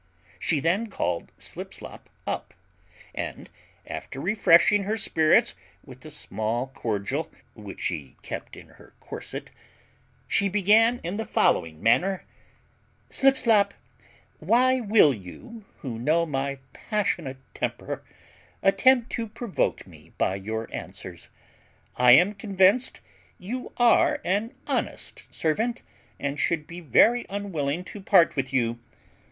She then called Slipslop up, and, after refreshing her spirits with a small cordial, which she kept in her corset, she began in the following manner: "Slipslop, why will you, who know my passionate temper, attempt to provoke me by your answers? I am convinced you are an honest servant, and should be very unwilling to part with you.